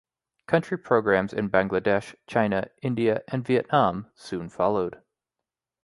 Country programs in Bangladesh, China, India and Vietnam soon followed.